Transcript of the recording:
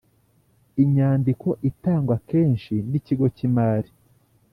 Inyandiko itangwa akenshi n ikigo cy imari